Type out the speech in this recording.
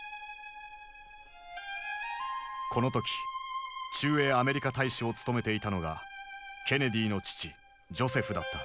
この時駐英アメリカ大使を務めていたのがケネディの父ジョセフだった。